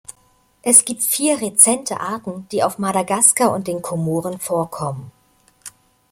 Es gibt vier rezente Arten, die auf Madagaskar und den Komoren vorkommen.